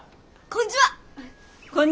こんちわ！